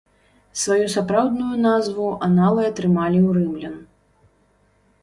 Сваю сапраўдную назву аналы атрымалі ў рымлян.